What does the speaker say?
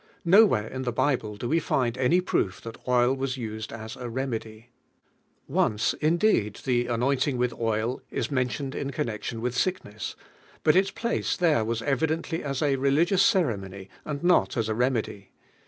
Nowhere in the Bible do we find any proof that oil was used as a remedy. Once indeed the anointing with oil is mentioned in connection with sieknesa, but ils place there was evidently as a re ligious ceremony and not as a remedy.